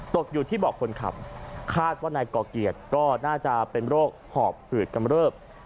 ตกอยู่ที่เบาะคนขับคาดว่านายก่อเกียรติก็น่าจะเป็นโรคหอบหืดกำเริบ